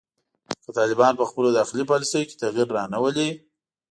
که طالبان په خپلو داخلي پالیسیو کې تغیر رانه ولي